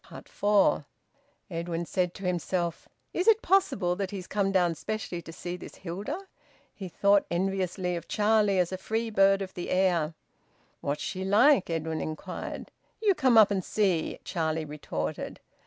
FOUR. Edwin said to himself: "Is it possible that he has come down specially to see this Hilda?" He thought enviously of Charlie as a free bird of the air. "What's she like?" Edwin inquired. "You come up and see," Charlie retorted.